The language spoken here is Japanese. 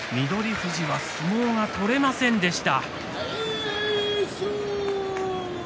富士は相撲が取れませんでした。